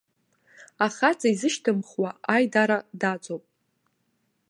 Ахаҵа изышьҭымхуа аидара даҵоуп.